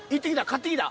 買ってきた？